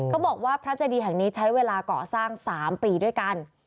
เขาบอกว่าพระเจดีแห่งนี้ใช้เวลาก่อสร้าง๓ปีด้วยกัน